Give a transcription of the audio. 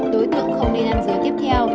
đối tượng không nên ăn dứa tiếp theo